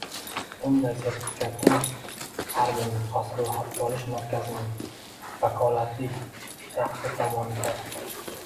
Bunday sertifikatning har bir nusxasi ro‘yxatga olish markazining vakolatli shaxsi tomonidan